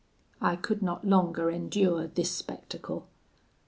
"I could not longer endure this spectacle.